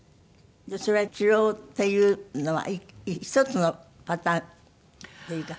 それは治療っていうのは１つのパターンというか。